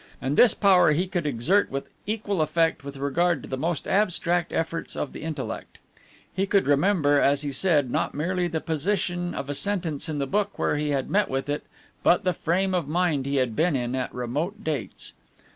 And this power he could exert with equal effect with regard to the most abstract efforts of the intellect. He could remember, as he said, not merely the position of a sentence in the book where he had met with it, but the frame of mind he had been in at remote dates.